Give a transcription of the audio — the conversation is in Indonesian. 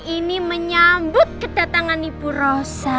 ini menyambut kedatangan ibu rosa